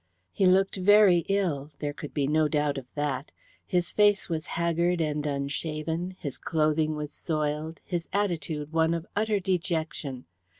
He looked very ill: there could be no doubt of that. His face was haggard and unshaven, his clothing was soiled, his attitude one of utter dejection.